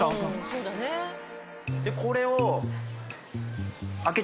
これを。